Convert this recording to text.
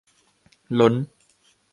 ล้น